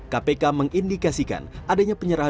kpk mengindikasikan adanya penyelidikan